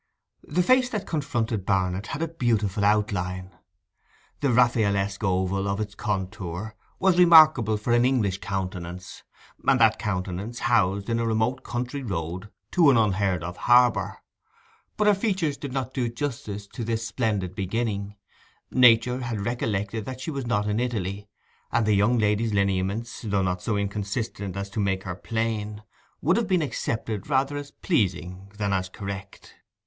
The face that confronted Barnet had a beautiful outline; the Raffaelesque oval of its contour was remarkable for an English countenance, and that countenance housed in a remote country road to an unheard of harbour. But her features did not do justice to this splendid beginning: Nature had recollected that she was not in Italy; and the young lady's lineaments, though not so inconsistent as to make her plain, would have been accepted rather as pleasing than as correct.